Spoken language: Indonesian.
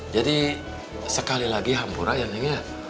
jadi sekali lagi hamburah ya neng ya